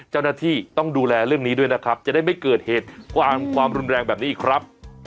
เจ้าหน้าที่ต้องดูแลเรื่องนี้ด้วยนะครับจะได้ไม่เกิดเหตุความรุนแรงแบบนี้อีกครับ